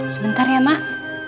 sebentar ya mak